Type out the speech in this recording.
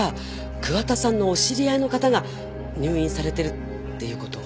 桑田さんのお知り合いの方が入院されてるっていうことは？